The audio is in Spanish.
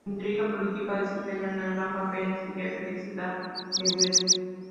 La intriga política desempeñará un gran papel en este viaje de Sebald de Weert.